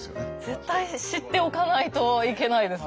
絶対知っておかないといけないですね。